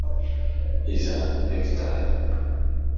iza hegitari;